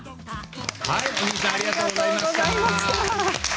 小林さんありがとうございました。